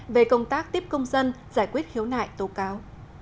về công tác tiếp công dân giải quyết khiếu nại tố cáo